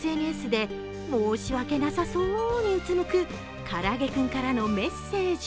ＳＮＳで申し訳なさそうにうつむくからあげクンからのメッセージ。